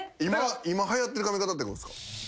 今はやってる髪形ってことっすか？